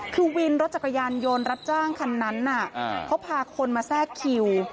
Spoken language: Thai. คือวินรถจักรยานยนต์รับจ้างคันนั้นเขาพาคนมาแทรกคิว